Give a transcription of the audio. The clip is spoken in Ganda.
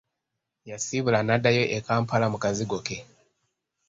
Yasiibula n'addayo e Kampala mu kazigo ke.